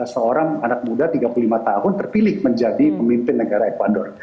seorang anak muda tiga puluh lima tahun terpilih menjadi pemimpin negara ecuador